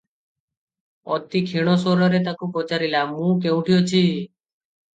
ଅତି କ୍ଷୀଣ ସ୍ୱରରେ ତାକୁ ପଚାରିଲା, "ମୁଁ କେଉଁଠି ଅଛି?